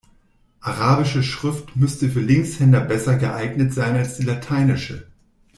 Arabische Schrift müsste für Linkshänder besser geeignet sein als die lateinische.